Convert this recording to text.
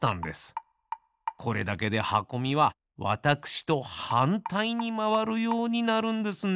これだけではこみはわたくしとはんたいにまわるようになるんですね。